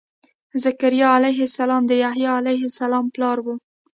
ذکریا علیه السلام د یحیا علیه السلام پلار و.